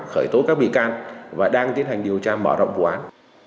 khởi tố các bị can và đang tiến hành điều tra mở rộng vụ án